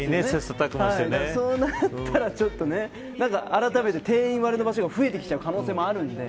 そうなったらあらためて定員割れの場所が増えてきちゃう可能性もあるので。